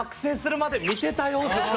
ずっと。